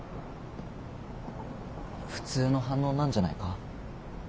普通の反応なんじゃないか？